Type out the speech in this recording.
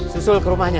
susul ke rumahnya